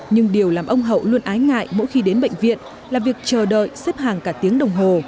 nhưng điều làm ông hậu luôn ái ngại mỗi khi đến bệnh viện là việc chờ đợi xếp hàng cả tiếng đồng hồ